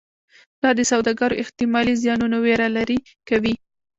دا د سوداګرو احتمالي زیانونو ویره لرې کوي.